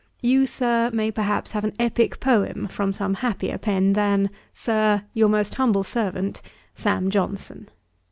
You, Sir, may perhaps have an epick poem from some happier pen than, Sir, 'Your most humble servant, 'SAM. JOHNSON.'